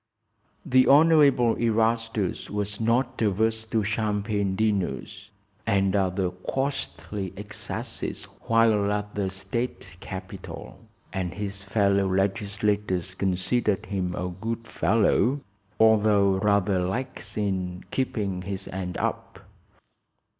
The Honorable Erastus was not averse to champagne dinners and other costly excesses while at the state capital, and his fellow legislators considered him a good fellow, although rather lax in "keeping his end up."